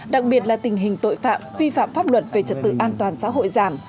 đặc biệt là tình hình tội phạm vi phạm pháp luật về trật tự an toàn xã hội giảm